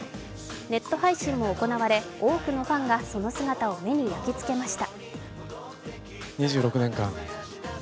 ネット配信も行われ、多くのファンがその姿を目に焼き付けました。